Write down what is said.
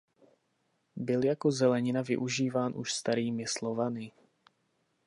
Byl jako zelenina využíván už starými Slovany.